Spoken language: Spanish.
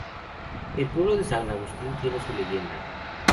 El pueblo de San Agustín tiene su leyenda.